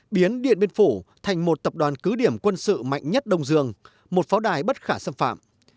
biến điện biên phủ thành một tập đoàn cứ điểm quân sự mạnh nhất đông dương một pháo đài bất khả xâm phạm